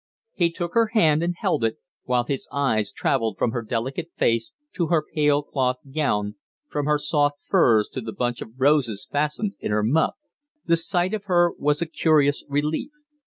He took her hand and held it, while his eyes travelled from her delicate face to her pale cloth gown, from her soft furs to the bunch of roses fastened in her muff, The sight of her was a curious relief.